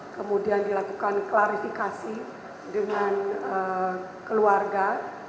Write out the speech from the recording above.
kemudian dilakukan klarifikasi dengan keluarga